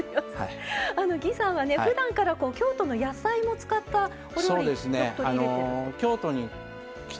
魏さんはふだんから京都の野菜も使ったお料理をよく取り入れて。